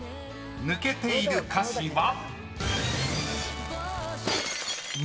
［抜けている歌詞は］